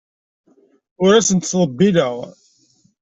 Ur asen-ttḍebbileɣ.